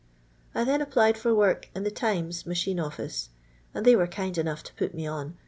" I then applied for work in the Timet machine office, and they were kind enough to put me on.